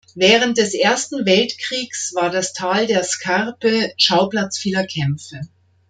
Während des Ersten Weltkriegs war das Tal der Scarpe Schauplatz vieler Kämpfe.